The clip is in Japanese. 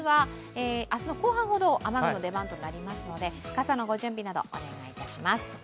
明日の後半ほど雨具の出番となりますので傘のご準備など、お願いいたします。